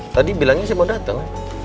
tadi bilangnya saya mau datang